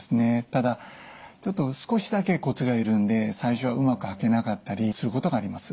ただ少しだけコツがいるんで最初はうまく履けなかったりすることがあります。